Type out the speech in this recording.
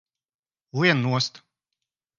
Lien nost!